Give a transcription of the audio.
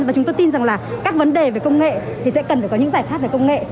và chúng tôi tin rằng là các vấn đề về công nghệ thì sẽ cần phải có những giải pháp về công nghệ